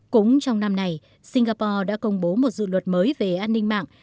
cũng trong năm này singapore đã công bố một dự luật mới về an ninh mạng